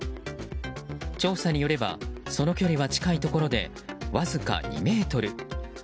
調査によれば、その距離は近いところでわずか２ｍ。